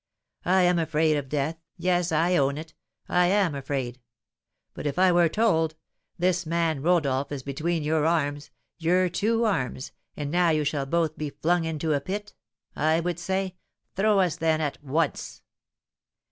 "I am afraid of death yes, I own it, I am afraid. But if I were told, 'This man Rodolph is between your arms your two arms and now you shall both be flung into a pit,' I would say, 'Throw us, then, at once.'